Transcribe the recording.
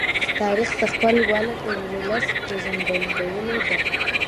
تاریخ د خپل ولس پېژندګلوۍ ده.